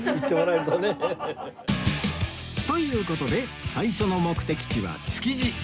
という事で最初の目的地は築地